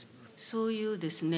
そういうですね